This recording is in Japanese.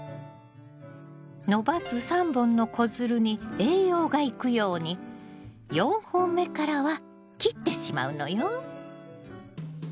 伸ばす３本の子づるに栄養が行くように４本目からは切ってしまうのよ。